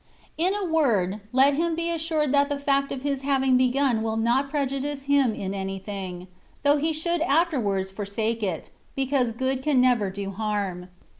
In a word^ let him be assured fiiat the fact of his having begun will not pre judice him in anything^ though he should after wards forsake it, because good can never do harm.